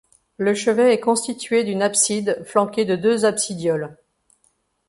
Le chevet est constitué d'une abside flanquée de deux absidioles.